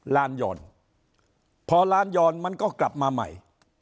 ล้านยอนพอล้านยอนมันก็กลับมาใหม่